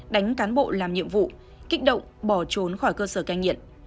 đánh cán bộ làm nhiệm vụ kích động bỏ trốn khỏi cơ sở canh nhiện